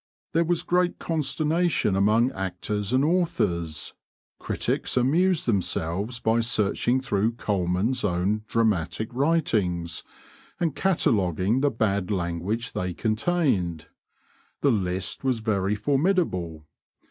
There was great consternation among actors and authors. Critics amused themselves by searching through Colman's own dramatic writings and cataloguing the bad language they contained. The list was very formidable.